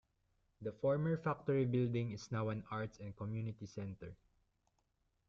The former factory building is now an arts and community center.